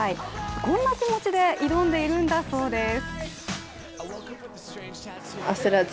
こんな気持ちで挑んでいるんだそうです。